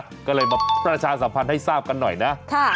ก็เลยมาประชาสัมพันธ์ให้ทราบกันหน่อยนะ